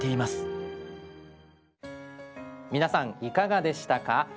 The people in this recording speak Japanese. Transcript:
皆さんいかがでしたか？